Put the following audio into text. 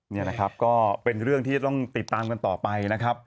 นี่นะครับก็เป็นเรื่องที่ต้องติดตามกันต่อไปนะครับ